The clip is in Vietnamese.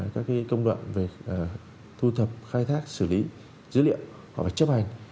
các công đoạn về thu thập khai thác xử lý dữ liệu họ phải chấp hành